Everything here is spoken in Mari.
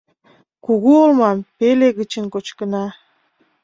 Кугу олмам пеле гычын кочкына.